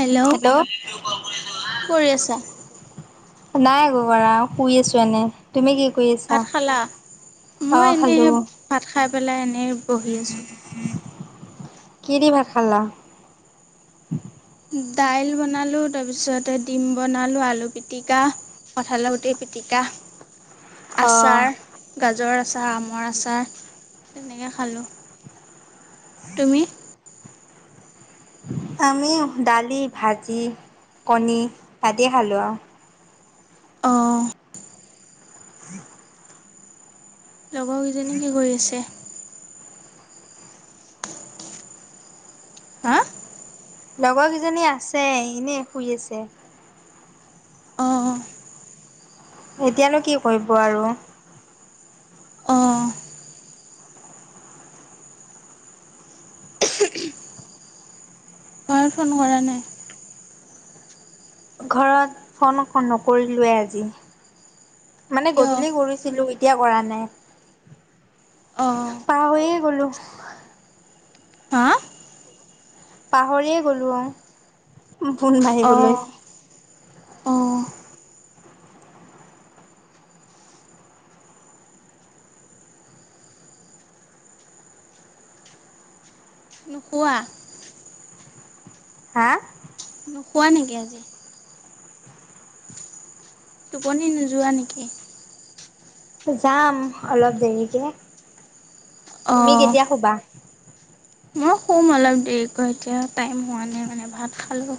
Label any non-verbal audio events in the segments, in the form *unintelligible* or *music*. Hello কি কৰি আছা? নাই একো কৰা শুই আছো এনে। তুমি কি কৰি ভাত আছা? খালা? অ' মই এনেই খালো। ভাত খাই পেলাই এনেই বহি আছোঁ। উম কি দি ভাত খালা? দাইল বনালোঁ তাৰপিছতে ডিম বনালোঁ, আলু পিটিকা কঁঠালৰ গুটি পিটিকা, অ আচাৰ গাজৰ আচাৰ, আমৰ আচাৰ তেনেকে খালোঁ। তুমি? আমিও দালি, ভাজি, কণী আদিয়ে খালোঁ আউ। অ'। *unintelligible* লগৰ কেইজনী কি কৰি আছে? হা! লগৰ গিজনী আছে এনে শুই আছে। অঁ এতিয়ানো কি কৰিব আৰু! অঁ মায়ে ফ'ন কৰা নাই? ঘৰত ফ'ন নকৰিলোৱে আজি মানে কিয়? গধূলি কৰিছিলো এ তিয়া কৰা নাই অঁ পাহৰিয়েই গ'লো। হা পাহৰিয়ে গ'লো অ' ফোন অঁ মৰিবলৈ। অঁ নুশুৱা? হা! নুশুৱা নিকি আজি? টোপনি নোযোৱা নিকি? যাম অলপ দেৰিকে, তুমি অঁ কেতিয়া শুবা? মই শুম অলপ দেৰিকৈ এতিয়া টাইম হোৱা নাই মানে ভাত খালোঁ।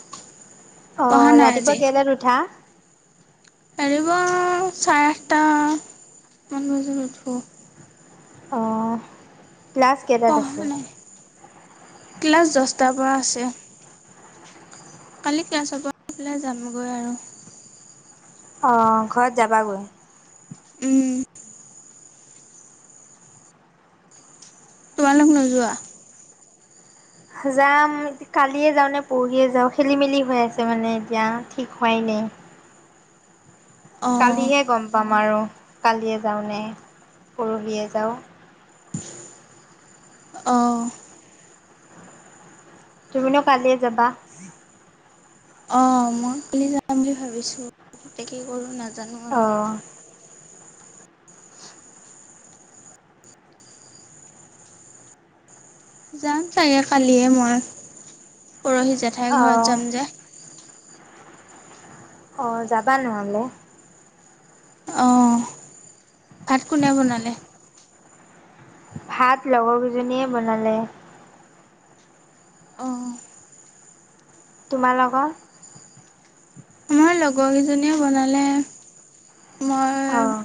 পঢ়া অঁ, নাই ৰাতিপুৱা আজি কেইটাত উঠা, ৰাতিপুৱা চাৰে আঠটা মান বজাত উঠোঁ, অঁ নহয় মানে ক্লাছ দচটাৰ পা আছে! কালি ক্লাছৰ পা *unintelligible* যামগৈ আৰু, অঁ ঘৰত যাবাগৈ উম তোমালোক নোযোৱা? যাম, কালিয়ে যাওঁ নে পৰহিয়ে যাওঁ খেলি মেলি হৈ আছে মানে এতিয়া ঠিক হোৱাই নাই। অঁ কালিহে গ'ম পাম আৰু কালিয়ে যাওঁনে পৰহিয়ে যাওঁ। অঁ তুমিনো কালিয়ে যাবা। অঁ' মই কালি যাম বুলি ভাবিছোঁ এতিয়া কি কৰোঁ নাজানো আৰু! অ', *unintelligible* যাম চাগে কালিয়ে মই। পৰহি জেঠাইৰ ঘৰত অ'। যাম যে, অঁ, যাবা নহলে! অঁ ভাত কোনে বনালে? ভাত লগৰ কেইজনীয়ে বনালে। অঁ। তোমাৰলোকৰ? মোৰ লগৰকেইজনীয়ে বনালে মই, অ',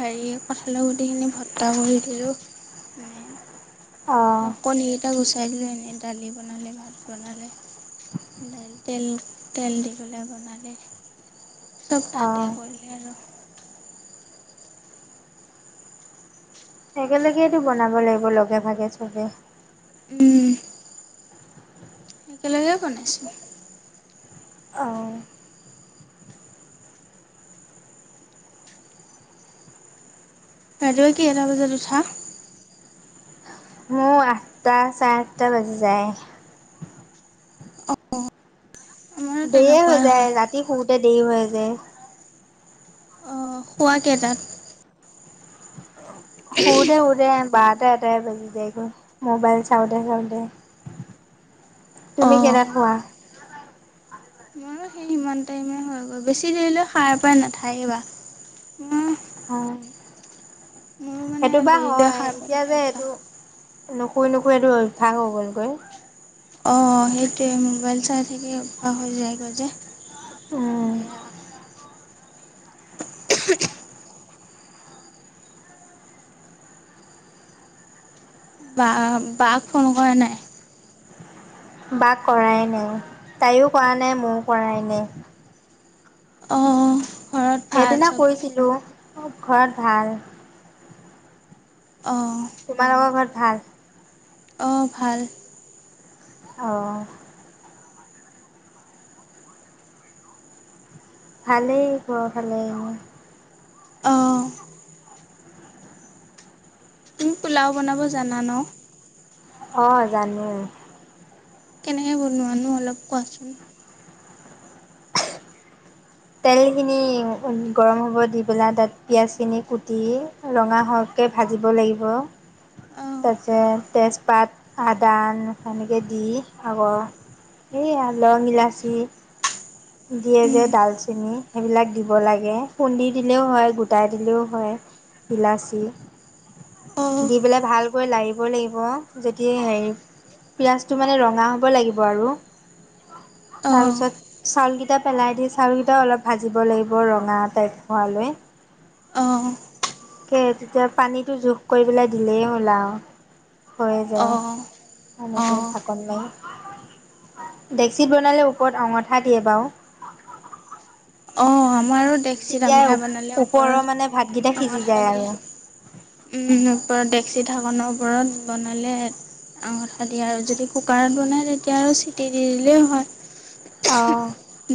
হেৰি কঁঠালৰ গোটিখিনি ভত্তা কৰি দিলোঁ মানে, অ', কণীগিটা গুচাই দিলে এনেই দালি বনালে, ভাত বনালে। দাইল তেল তেল দি পেলায় বনালে, চ'ব তাহাঁতে অ'। কৰিলে আৰু। একেলগে তো বনাব লাগিব লগে ভাগে চবে, উম। একেলগে বনাইছোঁ। অঁ ৰাতিপুৱা কেইটা বজাত উঠা? মোৰ আঠটা চাৰে আঠটা বাজি যায়ে। অঁ আমাৰো দেৰিয়ে হৈ তেনেকুৱাই হয় যায় ৰাতি শুওঁতে দেৰি হয় যে অঁ শুৱা কেইটাত? শুওতে শুওতে বাৰটা এটাই বাজি যায়গৈ মোবাইল চাওঁতে চাওঁতে, তুমি অঁ কেইটাত শুৱা? ময়ো সেই সিমান টাইমে হয়। অ' বেছি দেৰিলৈ সাৰ পায় নাথাকিবা! অঁ মোৰো মানে সেইটো বা দেৰিলৈ হয় সাৰ পাই এতিয়া থকা যে অভ্যাস এইটো নুশুই নুশুই এইটো অভ্যাস হৈ গ'লগৈ! অঁ সেইটোৱে মোবাইল চাই থাকে অভ্যাস হৈ যায়গৈ যে। বেয়া অঁ *unintelligible* বা বা'ক ফোন কৰা নাই? বা ক কৰাই নাই তাইও কৰা নাই, ময়ো কৰাই নাই খনেই। অঁ ঘৰত ভাল সেইদিনা চবৰে কৰিছিলো ঘৰত ভাল। অঁ। তোমালোক ঘৰত ভাল? অঁ ভাল। অ' ভালেই ঘৰৰ ফালে এনেই অঁ কি পোলাও বনাব জানা ন? অঁ জানো। কেনেকে বনোৱা নো অলপ কোৱাচোন। তেলখিনি গৰম হ'ব দি পেলাই তাত পিঁয়াজখিনি কুটি ৰঙা হোৱাকে ভাজিব লাগিব। অঁ তাৰপিছত তেজপাত আদা নহৰু এনেকে দি আকৌ। এইয়া লং ইলাচি, দিয়ে যে উম ডালচেনি সেইবিলাক দিব লাগে খুন্দি দিলেও হয়, গোটাই দিলেও হয়। ইলাচি। অঁ দি পেলাই ভালকৈ লাগিবই লাগিব যেতি হেৰি, পিঁয়াজটো মানে ৰঙা হ'ব লাগিব আৰু অঁ তাৰপিছত, চাউলকেইটা পেলাই দি চাউলকেইটা অলপ ভাজিব লাগিব ৰঙা টাইপ হোৱালৈ, অহ। কে তেতিয়া পানীটো জোখ কৰি পেলাই দিলেই হল আউ হৈ যায়, অঁ এনেকেই অঁ থাক ডেক্সিত বনালে ওপৰত অঙঠা দিয়ে বাৰু। অ আমাৰো দেক্সিত তেতিয়াই আমাৰ বনালে ওপৰৰ মানে ভাতকেইটা ওপৰত সিজি যায় আঙঠা আৰু দিয়ে। ওপৰত ডেক্সি ঢাকনৰ ওপৰত বনালে। আঙঠা দিয়ে আৰু যদি কুকাৰত বনায় তেতিয়া আৰু চিটি দি দিলেই হয়। অ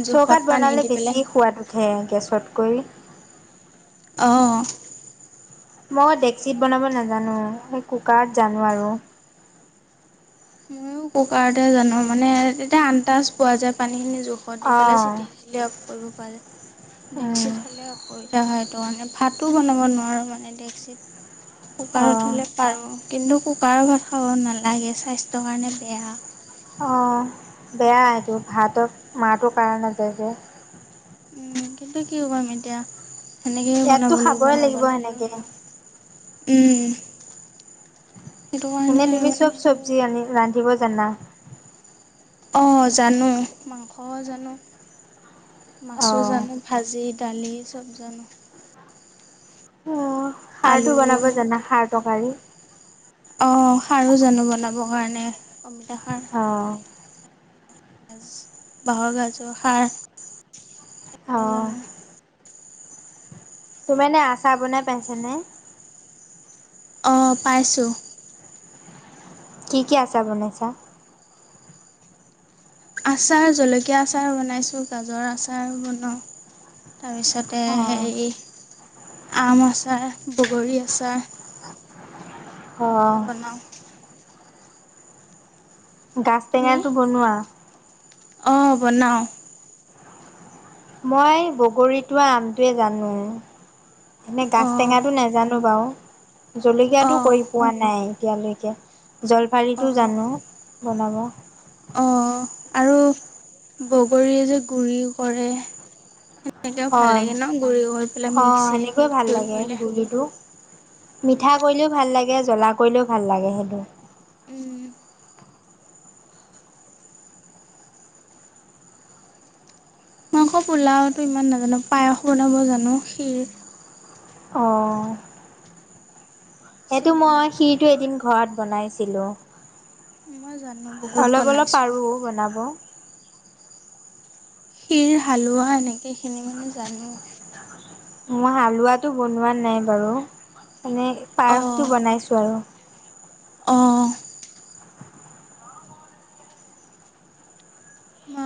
জোখত চৌকাত পানী বনালে দি বেছি পেলাই সোৱাদ উঠে গেছতকৈ। অ মই ডেক্সিত বনাব নাজানো সেই কুকাৰত জানো আৰু। মইয়ো কুকাৰতে জানো মানে তেতিয়া আন্তাজ পোৱা যায় পানীখিনি জোখত দি পেলাই অঁ চিটি দিলে অফ কৰিব পাৰে উম ডেক্সিত হলে অসু *unintelligible* বিধা হয় টো মানে ভাতো বনাব নোৱাৰোঁ মানে ডেক্সিত অঁ কুকাৰত হ'লে পাৰোঁ কিন্তু কুকাৰৰ ভাত খাব নালাগে স্বাস্থ্যৰ কাৰণে বেয়া। অ বেয়া এইটো ভাতত মাৰটো কাৰা নাযায় যে। কিন্তু কি কৰিম এতিয়া হেনেকেয়ে ইয়াততো বনাব লাগিব খাবই নবনালেও সেনেকে নহয়। উম! সেইটো এনে কাৰণে তুমি মানে চব এইটো চব্জি আনি ৰান্ধিব জানা। অ জানো মাংসও জানো মাছো অ', জানো। ভাজি দালি চব জানো। অ খাৰ আলু টো বনাব জানা খাৰ তৰকাৰী। অ খাৰো জানো বনাবৰ কাৰণে অমিতা খাৰ। অ', বাঁহৰ গাজৰ সাৰ সেইটো অ', জানো। তোমি এনেই আচাৰ বনাই পাইছা নে। অ পাইছোঁ। কি কি আচাৰ বনাইছা। আচাৰ জলকীয়া আচাৰ বনাইছোঁ গাজৰ আচাৰ বনাওঁ, তাৰপিছত তে অ', হেৰি আম আচাৰ, বগৰী আচাৰ। অ', এনেকে বনাও। গাজ টেঙাটো বনোৱা। অ বনাওঁ। মই বগৰীটোৱে আমটোৱে জানো। এনেই গাাজ অঁ টেঙাটো নাজানো বাৰু, জলকীয়াটো কৰি অঁ পোৱা নাই এতিয়ালৈকে। জলফাৰীটো জানো বনাব। অ আৰু বগৰীৰ যে গুৰি কৰে। সেইটোও ভাল অ', লাগে ন গুৰি পেলাই মিক্সিত ৰুই কৰিলে। এইটো মিঠা কৰিলেও ভাল লাগে জ্বলা কৰিলেও ভাল লাগে সেইটো। উম। মই ক পোলাওটো ইমান নাজানো পায়স বনাব জানো খীৰ অ। সেইটো চেনি মই নাৰিকল খিৰটো এদিন ঘৰত বনাইছিলোঁ। মই জানো বহুত অলপ অলপ বনাইছোঁ পাৰো বনাব। খীৰ, হালোৱা এইখিনি মানে জানো। মই হালোৱাটো বনোৱা নাই বাৰু মানে অ পায়সটো বনাইছো আৰু। অহ।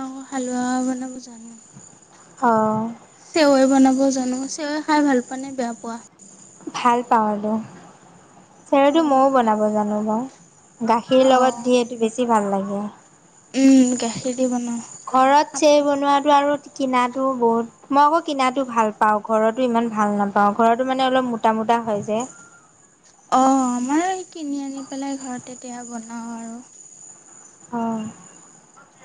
অ হালোৱাও বনাব জানো। অহ। চেৱৈ বনাব জানো, চেৱৈ খাই ভাল পোৱা নে বেয়া পোৱা? ভাল পাও এইটো। চেৱৈটো অ ময়ো ভাল বনাব জানো বাৰু গাখীৰ পাওঁ লগত দি অ এইটো বেছি ভাল লাগে। উম গাখীৰ দি বনাওঁ। ঘৰত চেৱৈ আমাৰ বনোৱাটো আৰু কিনাটো বহুত মই আকৌ কিনাতো ভাল পাওঁ ঘৰতো ইমান ভাল নাপাও ঘৰতো মানে অলপ মোটা মোটাা হয় যে অ আমাৰ এই কিনি আনি পেলাই ঘৰতে তেতিয়া বনাওঁ আৰু। অ' *inaudible*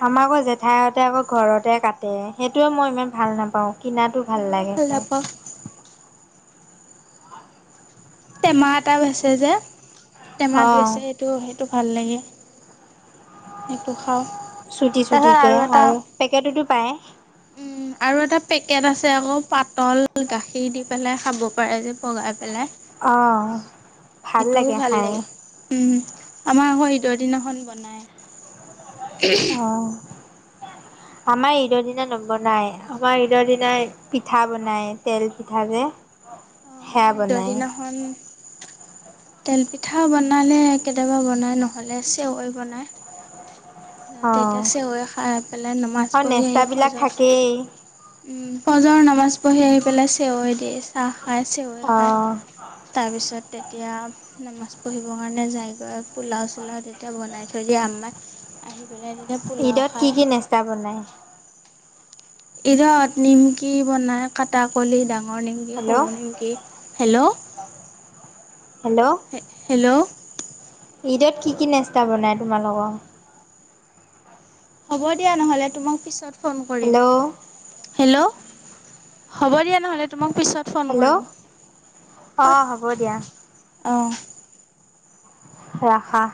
আমাৰ আকৌ জেঠাই সতে আকৌ ঘৰতে কাটে সেইটোৱে মই ইমান ভাল নাপাওঁ। কিনাটো ভাল ময়ো লাগে খাই। নাপাওঁ টেমা এটাও আছে যে টেমাত অ', বেচে টো সেইটো ভাল লাগে সেইটো খাওঁ। চুটি চুটি তাৰপিছত কে এটা আৰু পেকেটতো পায়। উম, আৰু এটা পেকেট আছে আকৌ পাতল গাখীৰ দি পেলাই খাব পাৰে যে পগাই পেলাই। অহ ভাল সেইটোও লাগে ভাল খাই। উম আমাৰ আকৌ ঈদৰ দিনাখন বনাই। অহ আমাৰ ঈদৰ দিনা নবনাই আমাৰ ঈদৰ দিনা পিঠা বনাই তেল পিঠা যে অ সেয়া আমাৰ ইদৰ বনাই দিনাখন তেল পিঠা বনালে কেতিয়াবা বনাই নহ'লে চৱৈ বনাই। অ', তেতিয়া চেৱৈ খাই পেলাই নমাজ আৰু পঢ়ি আহি নেস্তাবিলাক থাকেই। ফজল পজৰ নামাজ পঢ়ি আহি পেলাই চেৱৈ দিয়ে চাহ খায় চেৱৈ খায়। অ', তাৰপিছত তেতিয়া নামাজ পঢ়িবৰ কাৰণে যায়গৈ পোলাও চোলাও তে এয়া বনাই থৈ দিয়ে আমাৰ আহি পেলাই তেতিয়া পোলাও ঈদত কি খায়। কি নেস্তা বনাই? ইদত নিমকি বনাই কাটাকলি ডাঙৰ নিমকি হেল্ল', সৰু নিমকি। হেল্ল'। হেল্ল'। হেল্ল'। ঈদত কি কি নেস্তা বনায় তোমালোকৰ? হ'ব দিয়া নহ'লে তোমাক পিছত ফোন কৰিম, হেল্ল', হেল্ল'। হ'ব দিয়া নহ'লে তোমাক পিছত ফোন হেল্ল'। কৰিম। অ', হ'ব দিয়া অহ। ৰাখা।